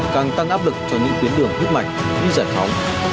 càng tăng áp lực cho những tuyến đường hít mạch đi giải phóng